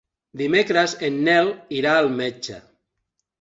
Dimecres en Nel irà al metge.